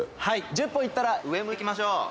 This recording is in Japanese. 「１０歩いったら上向きましょう。